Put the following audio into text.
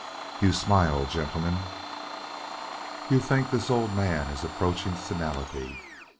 You smile, gentlemen. You think the old man is approaching senility.